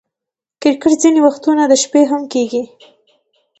کرکټ ځیني وختونه د شپې هم کیږي.